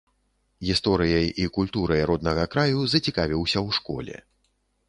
Гісторыяй і культурай роднага краю зацікавіўся ў школе.